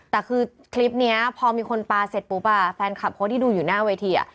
แต่คือคลิปนี้พอมีคนปลาเสร็จปุ๊บแฟนคลับคนที่ดูอยู่หน้าเวที